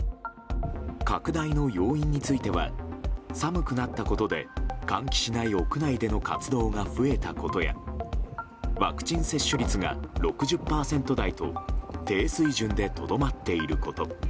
拡大の要因については寒くなったことで換気しない屋内での活動が増えたことやワクチン接種率が６０％台と低水準でとどまっていること。